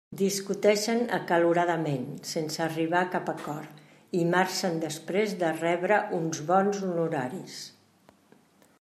Discuteixen acaloradament, sense arribar a cap acord, i marxen després de rebre uns bons honoraris.